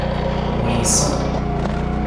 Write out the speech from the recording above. Wiisung.